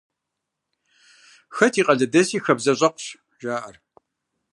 «Хэт и къалэдэси хабзэщӏэкъущ» жаӏэр.